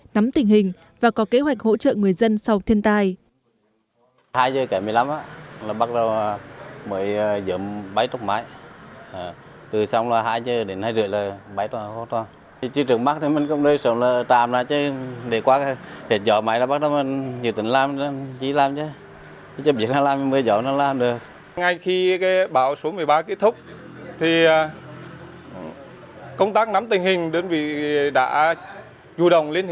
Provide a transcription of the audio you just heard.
nắm tình hình và có kế hoạch hỗ trợ người dân sau thiên tai